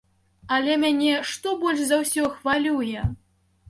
Але мяне што больш за ўсё хвалюе?